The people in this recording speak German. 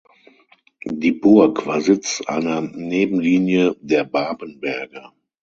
Die Burg war Sitz einer Nebenlinie der Babenberger.